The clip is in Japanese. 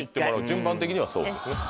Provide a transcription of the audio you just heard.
順番的にはそうですね。